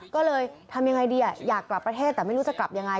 ก็เลยทำยังไงดีอยากกลับประเทศแต่ไม่รู้จะกลับยังไง